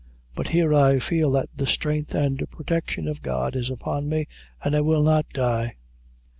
But here I feel that the strength and protection of God is upon me, and I will not die."